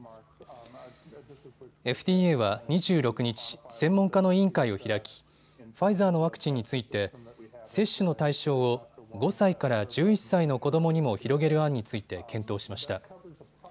ＦＤＡは２６日、専門家の委員会を開きファイザーのワクチンについて接種の対象を５歳から１１歳の子どもにも広げる案について検討しました。